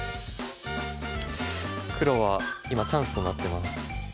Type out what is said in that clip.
黒は今チャンスとなってます。